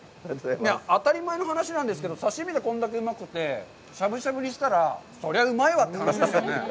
当たり前の話なんですけど、刺身でこんだけうまくて、しゃぶしゃぶにしたら、そりゃうまいわって話ですよね。